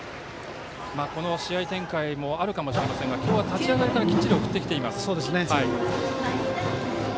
この試合展開もあるかもしれませんが今日は立ち上がりからしっかり送ってきています。